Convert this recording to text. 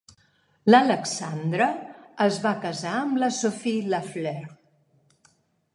L'Alexandre es va casar amb la Sophie Lafleur.